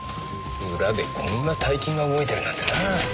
裏でこんな大金が動いてるなんてなぁ。